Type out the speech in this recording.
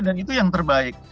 dan itu yang terbaik